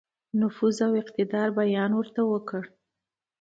نفوذ او اقتدار بیان ورته وکړ.